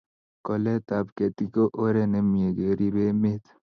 koletap ketik ko oret nemie keribe emet